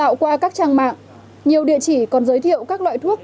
tạo qua các trang mạng nhiều địa chỉ còn giới thiệu các loại thuốc